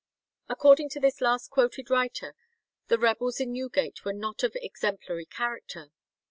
According to this last quoted writer, the rebels in Newgate were not of exemplary character.